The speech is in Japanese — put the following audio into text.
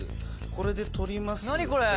これで取ります」